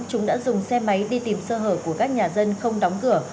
chúng đã dùng xe máy đi tìm sơ hở của các nhà dân không đóng cửa